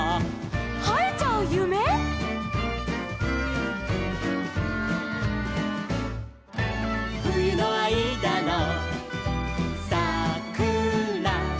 「はえちゃうゆめ」「ふゆのあいだのさくら」